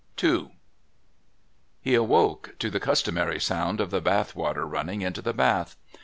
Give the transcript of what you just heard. II He awoke to the customary sound of the bath water running into the bath.